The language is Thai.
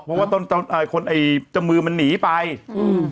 เพราะว่าต้นต้นเอ่อคนไอ้เจ้ามือมันหนีไปอืม